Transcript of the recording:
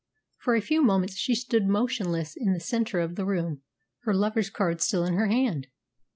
For a few moments she stood motionless in the centre of the room, her lover's card still in her hand.